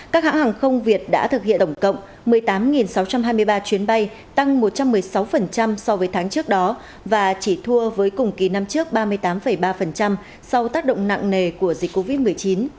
các hãng hàng không việt đã thực hiện tổng cộng một mươi tám sáu trăm hai mươi ba chuyến bay tăng một trăm một mươi sáu so với tháng trước đó và chỉ thua với cùng kỳ năm trước ba mươi tám ba sau tác động nặng nề của dịch covid một mươi chín